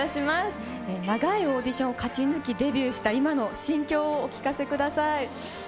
長いオーディションを勝ち抜きデビューした今の心境をお聞かせください。